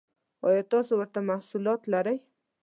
ایا تاسو ورته محصولات لرئ؟